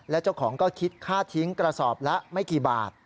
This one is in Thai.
และเจ้าของก็คิดค่าทิ้งกระสอบละไม่กี่บาท